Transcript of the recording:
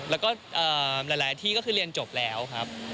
แล้วก็หลายที่ก็คือเรียนจบแล้วครับ